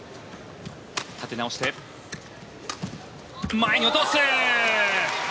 前に落とす！